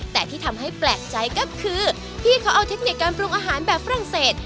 แต่ที่ทำให้แปลกใจก็คือพี่เขาเอาเทคนิคการปรุงอาหารแบบฝรั่งเศส